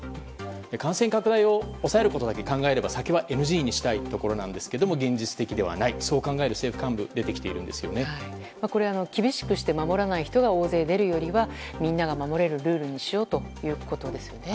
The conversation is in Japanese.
感染拡大を抑えることだけ考えれば酒はＮＧにしたいところなんですけど現実的ではないと考える政府幹部が厳しくして守らない人が大勢出るよりはみんなが守れるルールにしようということですね。